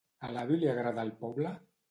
A l'avi li agrada el poble?